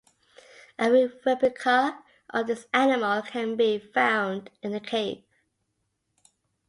A replica of this animal can be found in the cave.